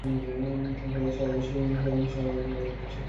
এতে সারা দেশের সঙ্গে রাজধানীর সড়ক যোগাযোগ বিচ্ছিন্ন হয়ে পড়েছে।